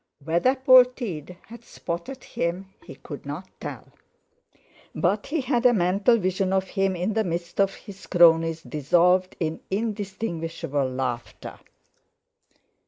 Whether Polteed had spotted him he could not tell; but he had a mental vision of him in the midst of his cronies dissolved in inextinguishable laughter.